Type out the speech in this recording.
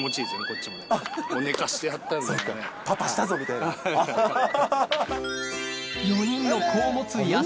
パパしたぞみたいなアハハ。